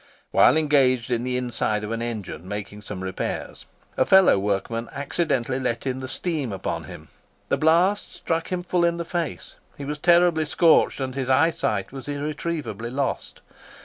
While engaged in the inside of an engine, making some repairs, a fellow workman accidentally let in the steam upon him. The blast struck him full in the face; he was terribly scorched, and his eyesight was irretrievably lost.